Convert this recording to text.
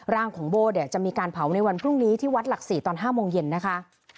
ร่างของโบ้เนี่ยจะมีการเผาในวันพรุ่งนี้ที่วัดหลักศรีตอน๕โมงเย็นนะคะ